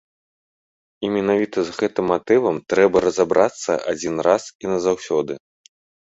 І менавіта з гэтым матывам трэба разабрацца адзін раз і назаўсёды.